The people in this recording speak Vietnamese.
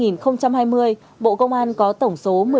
năm hai nghìn hai mươi bộ công an có tổng số một mươi chín